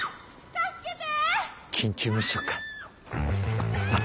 ・助けて！